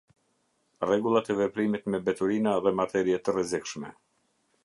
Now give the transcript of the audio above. Rregullat e veprimit me mbeturina dhe materie të rrezikshme.